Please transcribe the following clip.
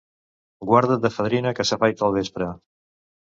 Guarda't de fadrina que s'afaita al vespre.